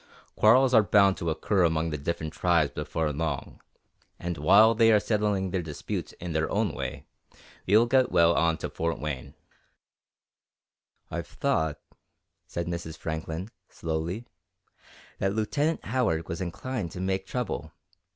Quarrels are bound to occur among the different tribes before long, and while they are settling their disputes in their own way, we'll get well on to Fort Wayne." "I've thought," said Mrs. Franklin, slowly, "that Lieutenant Howard was inclined to make trouble.